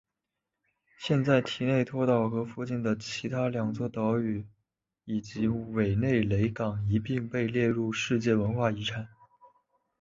现在提内托岛和附近的其他两座岛屿以及韦内雷港一并被列入世界文化遗产。